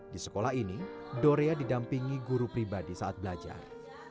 di sekolah ini dorea didampingi guru pribadi saat belajar